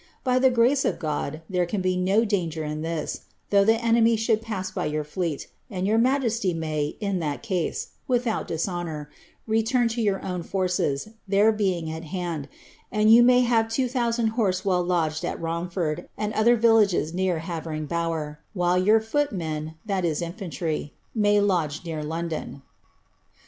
By the grace of God, diere can ba DO danger in this, though the enemy should pass by your fleet; and your roigesty may (in that case) without dishonour, return to your own forces, their being at hand, and you may have two thousand horse well lodged at Romford, and other villages near Havering Bower, while your fbot men (infantry) may lodge near London.